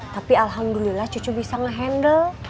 tapi alhamdulillah cucu bisa nge handle